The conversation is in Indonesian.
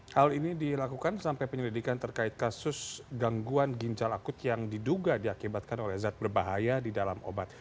hal ini dilakukan sampai penyelidikan terkait kasus gangguan ginjal akut yang diduga diakibatkan oleh zat berbahaya di dalam obat